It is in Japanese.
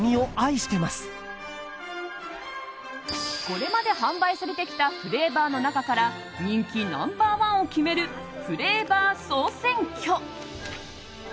これまで販売されてきたフレーバーの中から人気ナンバー１を決めるフレーバー総選挙。